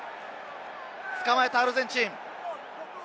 捕まえたアルゼンチン。